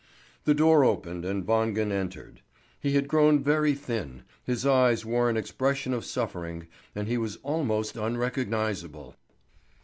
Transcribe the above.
The door opened and Wangen entered. He had grown very thin, his eyes wore an expression of suffering, and he was almost unrecognisable.